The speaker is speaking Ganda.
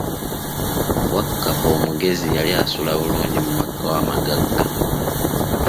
Wakkapa omugezi yali assula bulungi mu maka amagagga.